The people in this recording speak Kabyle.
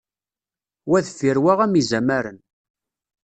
Wa deffir wa am izamaren.